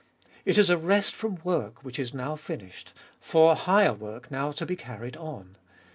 It is a rest from work which is now finished, for higher work now to be carried on.